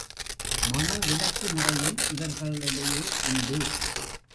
மணவிலக்கு முறையும் இவர்களிடையே உண்டு.